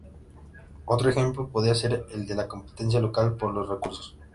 Otro ejemplo podría ser el de la competencia local por los recursos.